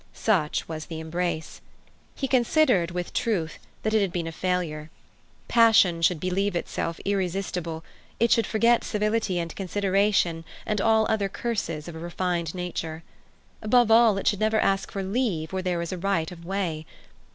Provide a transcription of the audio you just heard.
Such was the embrace. He considered, with truth, that it had been a failure. Passion should believe itself irresistible. It should forget civility and consideration and all the other curses of a refined nature. Above all, it should never ask for leave where there is a right of way.